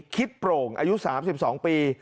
โปร่งอายุ๓๒ปี